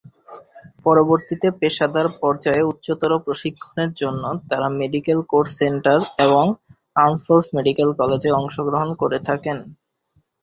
পরবর্তীতে পেশাদার পর্যায়ে উচ্চতর প্রশিক্ষণের জন্য তারা মেডিকেল কোর সেন্টার এবং আর্মড ফোর্স মেডিকেল কলেজে অংশগ্রহণ করে থাকেন।